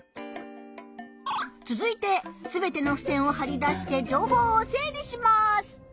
つづいて全てのふせんをはり出して情報を整理します。